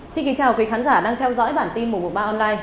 xin kính chào quý khán giả đang theo dõi bản tin một trăm một mươi ba online